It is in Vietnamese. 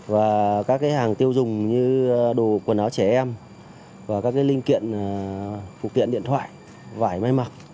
và các hàng tiêu dùng như đồ quần áo trẻ em và các linh kiện phục tiện điện thoại vải máy mặc